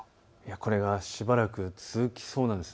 これはしばらく続きそうなんです。